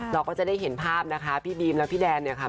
เราก็จะได้เห็นภาพนะคะพี่บีมและพี่แดนเนี่ยค่ะ